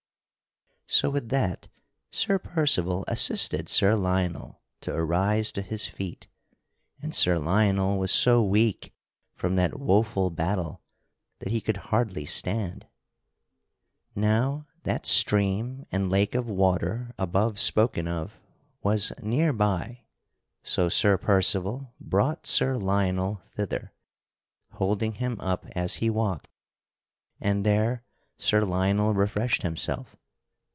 So with that Sir Percival assisted Sir Lionel to arise to his feet, and Sir Lionel was so weak from that woeful battle that he could hardly stand. Now that stream and lake of water above spoken of was near by, so Sir Percival brought Sir Lionel thither, holding him up as he walked; and there Sir Lionel refreshed himself.